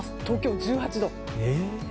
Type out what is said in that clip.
東京１８度。